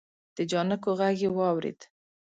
د جانکو غږ يې واورېد.